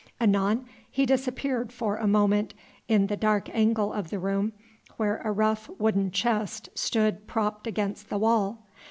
Anon he disappeared for a moment in the dark angle of the room, where a rough wooden chest stood propped against the wall.